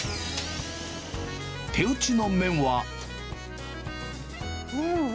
手打ちの麺は。